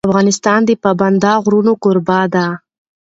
افغانستان د پابندی غرونه کوربه دی.